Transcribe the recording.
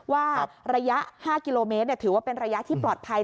ว่าระยะ๕กิโลเมตรถือว่าเป็นระยะที่ปลอดภัย